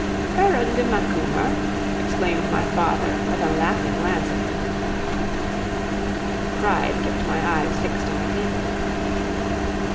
"Baronne de Macumer?" exclaimed my father, with a laughing glance at me. Pride kept my eyes fixed on the table.